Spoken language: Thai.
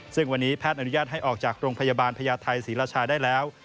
ซึ่งวันนี้แพทย์อนุญาตให้ออกจากโรงพยาบาลพญาไทยศรีราชาได้แล้ว